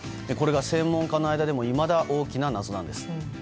これが専門家の間でもいまだ大きな謎なんです。